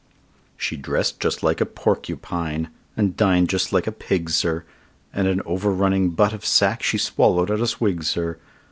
She dress'd just like a porcupine, and din'd just like a pig, sir, And an over running butt of sack she swallow'd at a swig, sir!